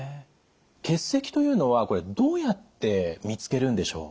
結石というのはこれどうやって見つけるんでしょう？